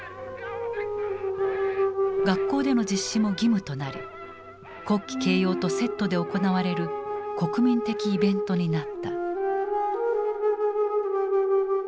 学校での実施も義務となり国旗掲揚とセットで行われる国民的イベントになった。